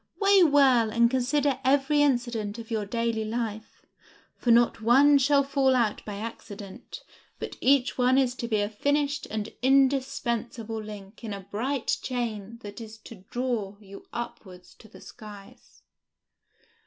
Weigh well and consider every incident of your daily life, for not one shall fall out by accident, but each one is to be a finished and indispensable link in a bright chain that is to draw you upward to the skies!"